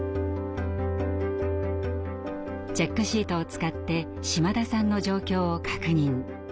チェックシートを使って島田さんの状況を確認。